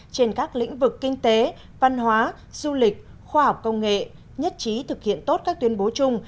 trên các lĩnh vực kinh tế văn hóa du lịch khoa học công nghệ nhất trí thực hiện tốt các tuyên bố chung